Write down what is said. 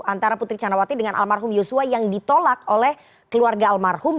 antara putri candrawati dengan almarhum yosua yang ditolak oleh keluarga almarhum